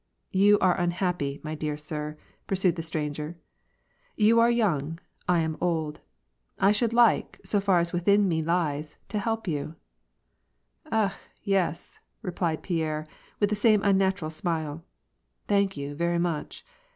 "You are unhappy, my dear sir," pursued the stranger, " You are young, I am old. I should like, so far as within me lies, to help you." " Akh ! yes !" replied Pierre, with the same unnatural smile. " Thank you, very much.